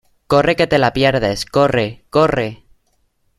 ¡ corre que te la pierdes, corre! ¡ corre !